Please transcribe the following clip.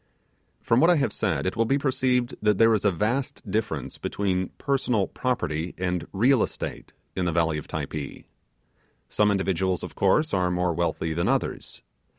From what I have said it will be perceived that there is a vast difference between 'personal property' and 'real estate' in the valley of Typee. Some individuals, of course, are more wealthy than others.